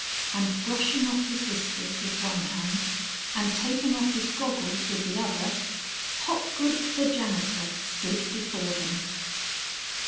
And brushing off his whiskers with one hand and taking off his goggles with the other, Hopgood, the janitor, stood before them!